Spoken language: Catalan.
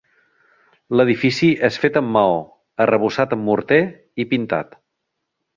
L'edifici és fet amb maó, arrebossat amb morter i pintat.